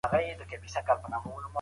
مور مې ډوډۍ پخوي